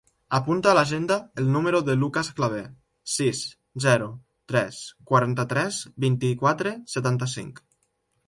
Apunta a l'agenda el número del Lucas Claver: sis, zero, tres, quaranta-tres, vint-i-quatre, setanta-cinc.